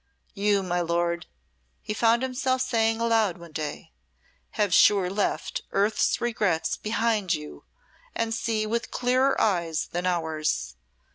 You, my lord," he found himself saying aloud one day, "have sure left earth's regrets behind and see with clearer eyes than ours.